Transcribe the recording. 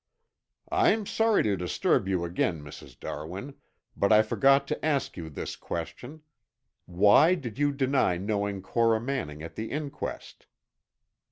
"I'm sorry to disturb you again, Mrs. Darwin, but I forgot to ask you this question. Why did you deny knowing Cora Manning at the inquest?"